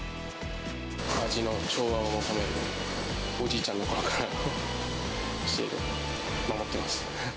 味の調和を求める、おじいちゃんのころからの教えを守ってます。